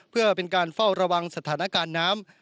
เพื่อเป็นการเฝ้าระวังสถานการณ์น้ำ